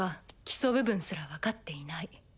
基礎部分すら分かっていない。